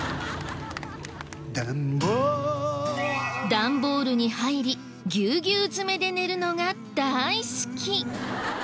段ボールに入りギュウギュウ詰めで寝るのが大好き。